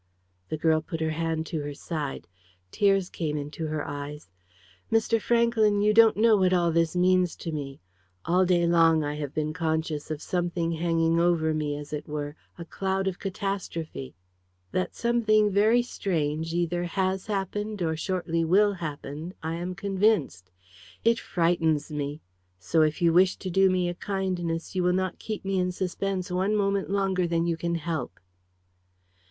The girl put her hand to her side. Tears came into her eyes. "Mr. Franklyn, you don't know what all this means to me. All day long I have been conscious of something hanging over me, as it were, a cloud of catastrophe. That something very strange either has happened, or shortly will happen, I am convinced. It frightens me! So, if you wish to do me a kindness, you will not keep me in suspense one moment longer than you can help."